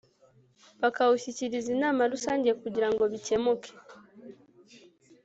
Bukawushyikiriza inama rusange kugira ngo bikemuke